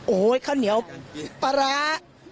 โอ้โหข้าวเหนียวปลาร้า